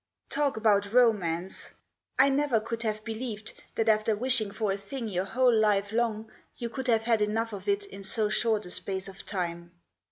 Talk about romance ! I never could have believed that after wishing for a thing your whole life long you could have had enough of it in so short a space of time.